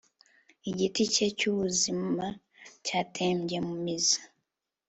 Igiti cye cyubuzima cyatembye mu mizi